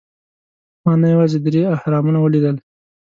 ما نه یوازې درې اهرامونه ولیدل.